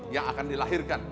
yang akan dilahirkan